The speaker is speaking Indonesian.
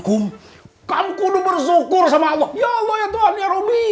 kamu bersyukur sama allah ya allah ya tuhan ya robin